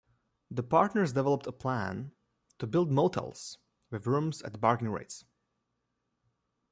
The partners developed a plan to build motels with rooms at bargain rates.